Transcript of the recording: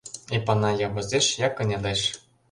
Эпанай я возеш, я кынелеш.